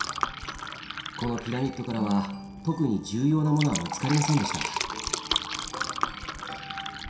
このピラミッドからは特に重要なものは見つかりませんでした。